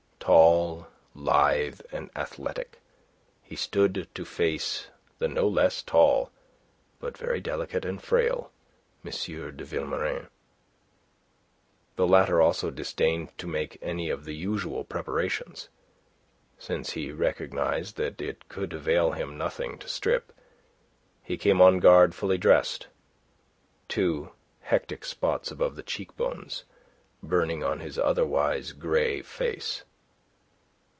Tall, lithe, and athletic, he stood to face the no less tall, but very delicate and frail, M. de Vilmorin. The latter also disdained to make any of the usual preparations. Since he recognized that it could avail him nothing to strip, he came on guard fully dressed, two hectic spots above the cheek bones burning on his otherwise grey face.